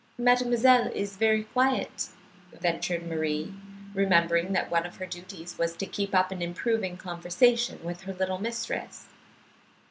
"Mademoiselle is very quiet," ventured Marie, remembering that one of her duties was to keep up an improving conversation with her little mistress.